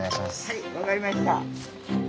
はい分かりました。